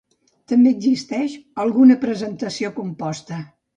També existeix alguna presentació composta.